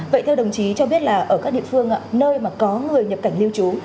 vậy theo đồng chí cho biết là ở các địa phương nơi mà có người nhập cảnh lưu trú